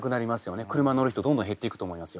車乗る人どんどん減っていくと思いますよ